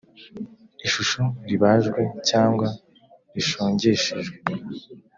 ishusho ribajwe cyangwa rishongeshejwe,